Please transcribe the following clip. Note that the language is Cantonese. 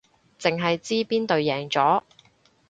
淨係知邊隊贏咗